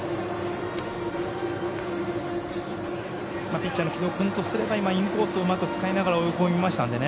ピッチャーの城戸君とすればインコースをうまく使いながら追い込みましたのでね。